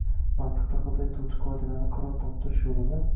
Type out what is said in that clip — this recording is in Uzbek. – mantiq taqozo etuvchi qoidalarini qaror toptirish yo‘lida